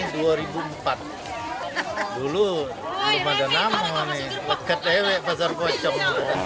dulu rumah ada enam leket lewek pasar pocong